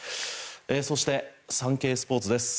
そして、サンケイスポーツです。